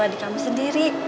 adik kamu sendiri